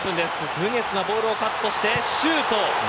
ヌニェスがボールをキープしてシュート。